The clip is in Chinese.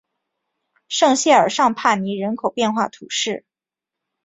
圣谢尔尚帕尼人口变化图示